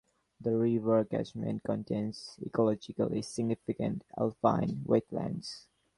The river catchment contains ecologically significant alpine wetlands.